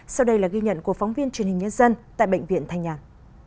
sau đây là ghi nhận của phóng viên truyền hình nhân dân tại bệnh viện thanh nhàn